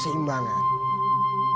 sehingga kembali tercipta dengan alamat dalai